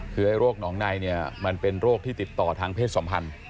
คือให้โรคหนองไหลมันเป็นโรคที่ติดต่อทางเพศสมพันธ์